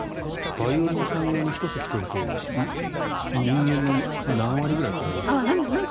バイオリンさん用に１席取ると人間の何割取られるんですか？